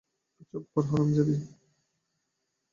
চুপ কর, হারামজাদি!